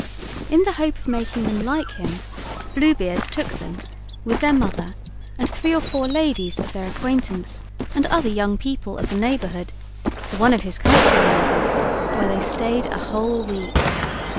In the hope of making them like him, Blue Beard took them, with their mother and three or four ladies of their acquaintance, and other young people of the neighborhood, to one of his country houses, where they stayed a whole week.